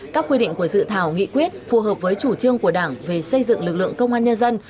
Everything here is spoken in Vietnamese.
các quy định của dự thảo nghị quyết phù hợp với chủ trương của đảng về xây dựng lực lượng công an nhân dân